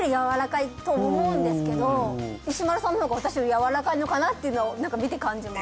石丸さんの方が私より柔らかいのかなっていうのは何か見て感じます